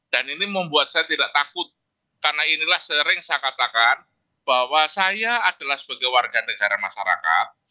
dan ini membuat saya tidak takut karena inilah sering saya katakan bahwa saya adalah sebagai warga negara masyarakat